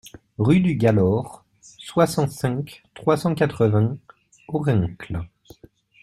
Rue du Galor, soixante-cinq, trois cent quatre-vingts Orincles